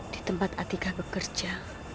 di tempat atika bekerja